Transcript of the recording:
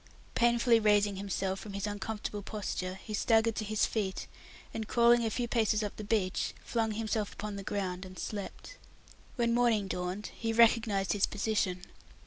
Painfully raising himself from his uncomfortable posture, he staggered to his feet, and crawling a few paces up the beach, flung himself upon the ground and slept. When morning dawned, he recognized his position.